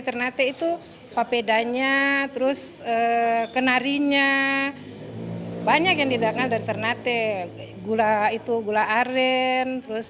ternate itu papedanya terus kenarinya banyak yang didakan dari ternate gula itu gula aren terus